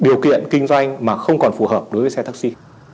điều kiện kinh doanh mà không còn phù hợp đối với xe taxi